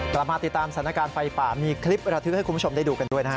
กลับมาติดตามสถานการณ์ไฟป่ามีคลิประทึกให้คุณผู้ชมได้ดูกันด้วยนะฮะ